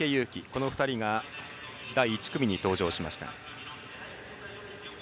この２人が第１組に登場しました。